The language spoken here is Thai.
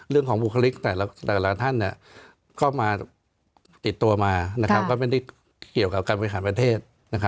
บุคลิกแต่ละท่านก็มาติดตัวมาก็ไม่ได้เกี่ยวกับการบริหารประเทศ